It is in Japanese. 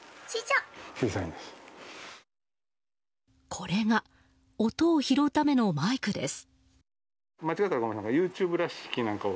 これが音を拾うためのマイクです。